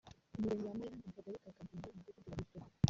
umurenge wa Mayange mu kagali ka Kagenge umudugudu wa Biryogo